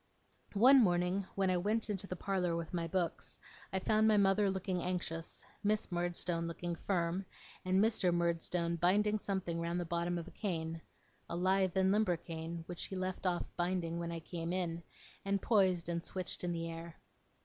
One morning when I went into the parlour with my books, I found my mother looking anxious, Miss Murdstone looking firm, and Mr. Murdstone binding something round the bottom of a cane a lithe and limber cane, which he left off binding when I came in, and poised and switched in the air.